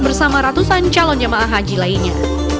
bersama ratusan calon jemaah haji lainnya